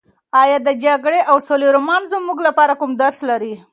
ایا د جګړې او سولې رومان زموږ لپاره کوم درس لري؟